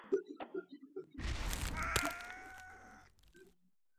، خړې ډبرې سرې شوې.